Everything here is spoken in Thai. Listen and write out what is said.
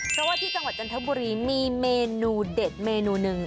เพราะว่าที่จังหวัดจันทบุรีมีเมนูเด็ดเมนูหนึ่ง